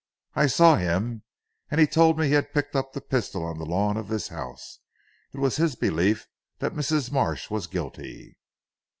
I saw him and he told me he had picked up the pistol on the lawn of this house. It was his belief that Mrs. Marsh was guilty."